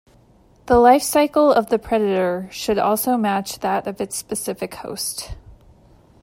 The life cycle of the predator should also match that of its specific host.